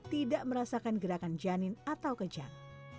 tidak merasakan gerakan janin atau kejang